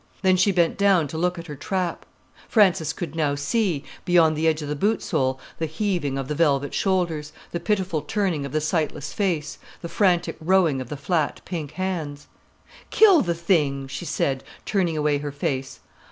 Then she bent down to look at her trap. Frances could now see, beyond the edge of the boot sole, the heaving of the velvet shoulders, the pitiful turning of the sightless face, the frantic rowing of the flat, pink hands. "Kill the thing," she said, turning away her face.